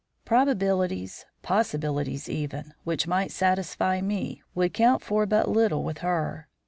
Probabilities, possibilities even, which might satisfy me, would count for but little with her.